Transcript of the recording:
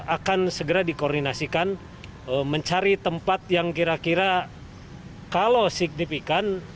akan segera dikoordinasikan mencari tempat yang kira kira kalau signifikan